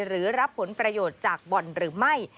หรือรับผลประโยชน์จากบ่อนหรือไม่